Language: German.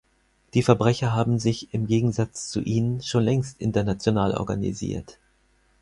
Die Verbrecher haben sich, im Gegensatz zu Ihnen, schon längst international organisiert.